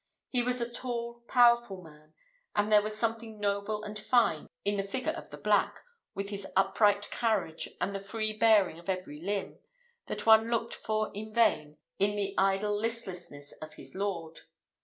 He was a tall, powerful man; and there was something noble and fine in the figure of the black, with his upright carriage, and the free bearing of every limb, that one looked for in vain in the idle listlessness of his lord.